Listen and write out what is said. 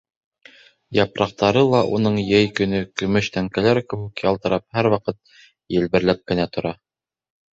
Япраҡтары ла уның йәй көнө, көмөш тәңкәләр кеүек ялтырап, һәр ваҡыт елберләп кенә тора.